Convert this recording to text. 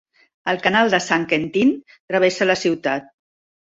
El canal de Saint-Quentin travessa la ciutat.